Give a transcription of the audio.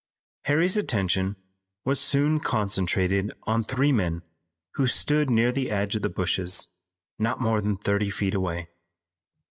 Harry's attention was soon concentrated on three men who stood near the edge of the bushes, not more than thirty feet away.